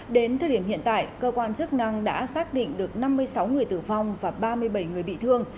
đến thời điểm hiện tại cơ quan chức năng đã xác định được năm mươi sáu người tử vong và ba mươi bảy người bị thương